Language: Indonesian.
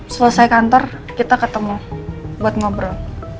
selesai kantor kita ketemu buat ngobrol